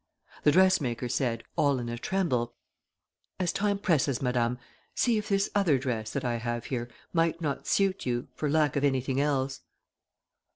The dressmaker said, all in a tremble, 'As time presses, madame, see if this other dress that I have here might not suit you for lack of anything else.